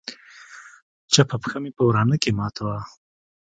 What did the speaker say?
چپه پښه مې په ورانه کښې ماته وه.